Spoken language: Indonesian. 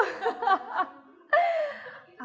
aku sebulan bisa